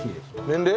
年齢。